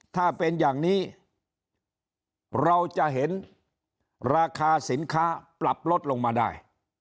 ถ้าเป็นอย่างนี้เราจะเห็นราคาสินค้าปรับลดลงมาได้